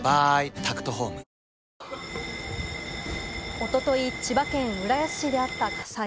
一昨日、千葉県浦安市であった火災。